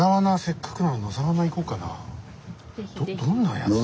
どんなやつだと。